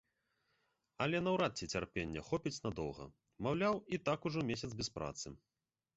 Але наўрад ці цярпення хопіць надоўга, маўляў, і так ужо месяц без працы.